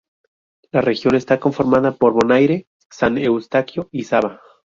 La región está conformada por Bonaire, San Eustaquio y Saba.